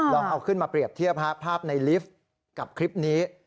ลองเอาขึ้นมาเปรียบเทียบภาพในลิฟต์กับคลิปนี้